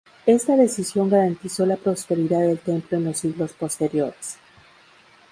Esta decisión garantizó la prosperidad del templo en los siglos posteriores.